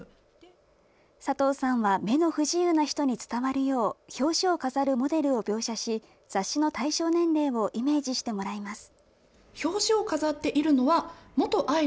佐藤さんは目の不自由な人に伝わるよう、表紙を飾るモデルを描写し、雑誌の対象年齢をイメージしてもらいます。